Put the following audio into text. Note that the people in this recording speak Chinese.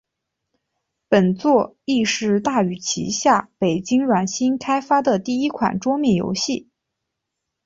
本作亦是大宇旗下北京软星开发的第一款桌面游戏。